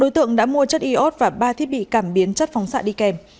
thủy đã mua chất iốt và ba thiết bị cảm biến chất phóng xạ đi kèm